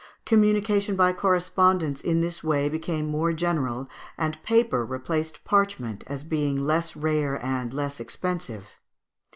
Communication by correspondence in this way became more general, and paper replaced parchment as being less rare and less expensive.